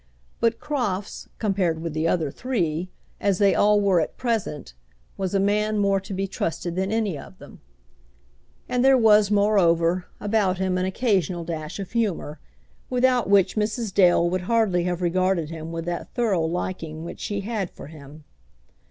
But Crofts, compared with the other three, as they all were at present, was a man more to be trusted than any of them. And there was, moreover, about him an occasional dash of humour, without which Mrs. Dale would hardly have regarded him with that thorough liking which she had for him.